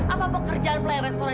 apa pekerjaan pelayan restoran